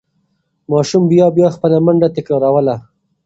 ماشوم بیا بیا خپله منډه تکراروله.